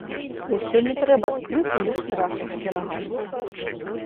Усё не трэба скрыпу лішні раз асцерагацца.